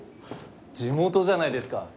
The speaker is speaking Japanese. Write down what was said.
地元じゃないですか。